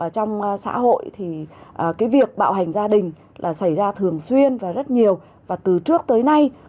trong xã hội thì cái việc bạo hành gia đình là xảy ra thường xuyên và rất nhiều và từ trước tới nay